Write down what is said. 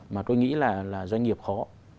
mà tôi nghĩ là doanh nghiệp khó